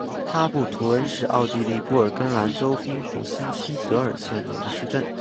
哈布图恩是奥地利布尔根兰州滨湖新锡德尔县的一个市镇。